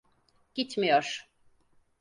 Gitmiyor.